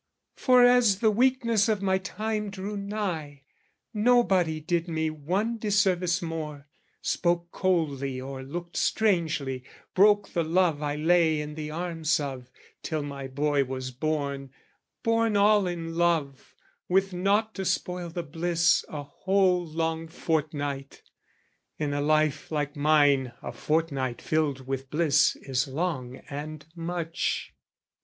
For, as the weakness of my time drew nigh, Nobody did me one disservice more, Spoke coldly or looked strangely, broke the love I lay in the arms of, till my boy was born, Born all in love, with nought to spoil the bliss A whole long fortnight: in a life like mine A fortnight filled with bliss is long and much.